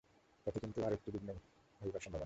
পথে কিন্তু আর একটি বিঘ্ন হইবার সম্ভাবনা।